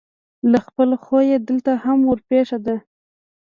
له خپل خویه دلته هم ورپېښه ده.